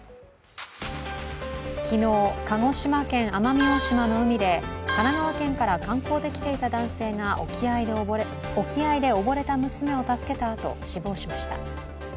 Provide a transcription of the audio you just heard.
昨日、鹿児島県奄美大島の海で神奈川県から観光できていた男性が沖合で溺れた娘を助けたあと、死亡しました。